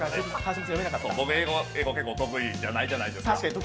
僕、英語結構得意じゃないじゃないですか。